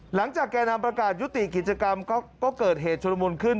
แก่นำประกาศยุติกิจกรรมก็เกิดเหตุชุลมุนขึ้น